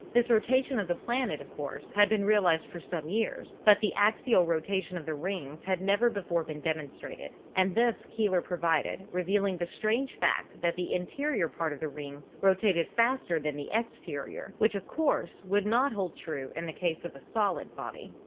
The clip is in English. This rotation of the planet, of course, had been realized for some years, but the axial rotation of the rings had never before been demonstrated, and this Keeler proved, revealing the strange fact that the in terior part of the rings rotated faster than the exterior, which of course would not hold true in the case of a solid body.